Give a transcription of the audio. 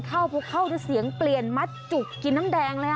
เข้าเพราะเขาเสียงเปลี่ยนมัดจุกกินน้ำแดงเลย